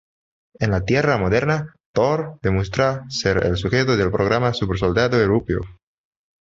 En la Tierra moderna, Thor demuestra ser el sujeto del programa Supersoldado Europeo.